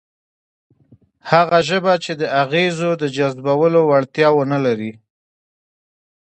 هغه ژبه چې د اغېزو د جذبولو وړتیا ونه لري،